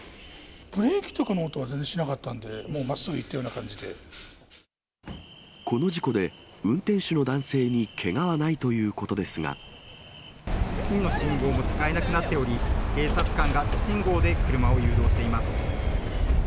ブレーキとかの音は全然しなかったんで、この事故で運転手の男性にけ付近の信号も使えなくなっており、警察官が手信号で車を誘導しています。